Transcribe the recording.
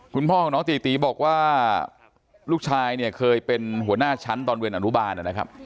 คุณพ่อของน้องตีตีบอกว่าลูกชายเนี่ยเคยเป็นหัวหน้าชั้นตอนเรียนอนุบาลนะครับ